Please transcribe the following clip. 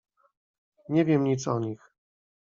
"Nie wiem nic o nich."